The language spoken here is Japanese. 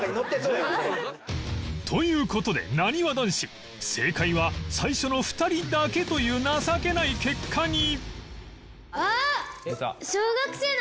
という事でなにわ男子正解は最初の２人だけという情けない結果に！